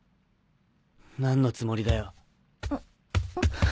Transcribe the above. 何のつもりだよ。